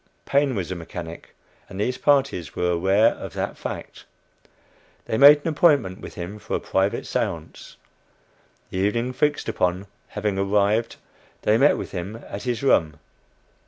Paine was a mechanic, and these parties were aware of that fact. They made an appointment with him for a private séance. The evening fixed upon, having arrived, they met with him at his room.